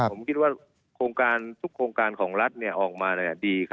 ผมคิดว่าทุกโครงการของรัฐออกมาดี